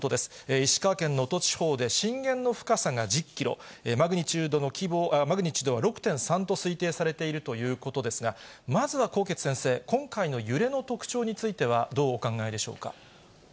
石川県能登地方で、震源の深さが１０キロ、マグニチュードは６．３と推定されているということですが、まずは纐纈先生、今回の揺れの特徴については、どうお考えでしょ